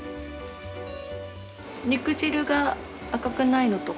肉汁が赤くないのとか